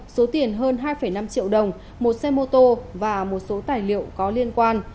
số tiền hơn hai năm triệu đồng một xe mô tô và một số tài liệu có liên quan